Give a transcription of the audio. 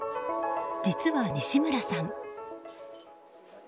実は、西村さん。